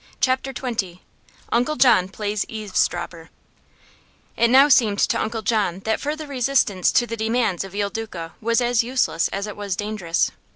CHAPTER XX UNCLE JOHN PLAYS EAVESDROPPER It now seemed to Uncle John that further resistance to the demands of Il Duca was as useless as it was dangerous.